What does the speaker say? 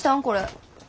これ。